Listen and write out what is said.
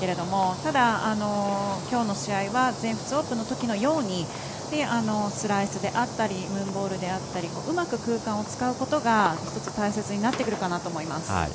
ただ、きょうの試合は全仏オープンのときのようにスライスであったりムーンボールであったりうまく空間を使うことが大切になってくるかなと思います。